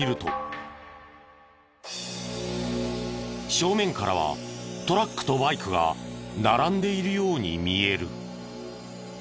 正面からはトラックとバイクが並んでいるように見える。